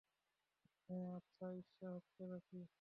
হ্যাঁ আচ্ছা, ঈর্ষা হচ্ছে নাকি?